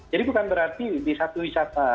jadi bukan berarti di satu wisata